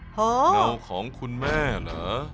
เงาของคุณแม่เหรอ